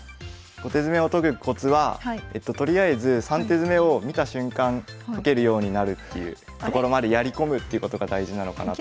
５手詰を解くコツはとりあえず３手詰を見た瞬間解けるようになるっていうところまでやり込むっていうことが大事なのかなと思っていて。